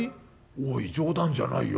おい冗談じゃないよ。